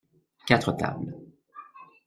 Quatre tables.